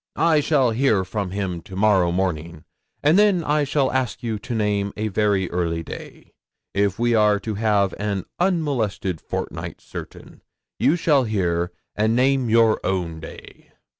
I shall hear from him to morrow morning, and then I shall ask you to name a very early day. If we are to have an unmolested fortnight certain, you shall hear, and name your own day."